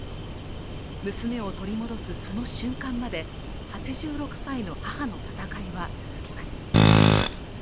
娘を取り戻すその瞬間まで、８６歳の母の戦いは続きます。